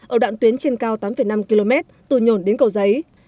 ở đoạn tuyến trên cao tám năm km từ nhổn đến cầu giấy